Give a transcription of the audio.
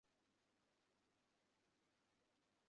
সত্তা কখনও দুই হইতে পারে না, সত্তা কেবল এক।